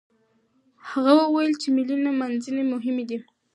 هغه وويل چې ملي نمانځنې مهمې دي.